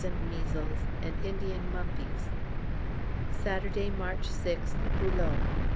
and measles, and Indian mumpies. _Saturday, March 6th, Boulogne.